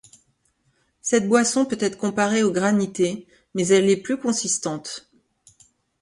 Cette boisson peut être comparée au granité, mais elle est plus consistante.